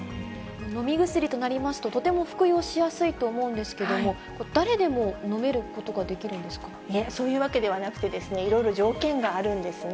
飲み薬となりますと、とても服用しやすいと思うんですけども、誰でも飲めることができるんですそういうわけではなくてですね、いろいろ条件があるんですね。